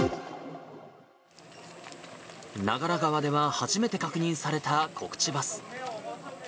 長良川では初めて確認されたコクチバス。